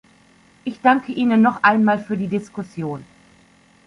Ich danke Ihnen noch einmal für die Diskussion.